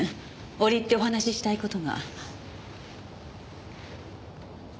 折り入ってお話ししたい事が。